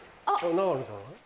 永野じゃない？